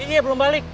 iya belum balik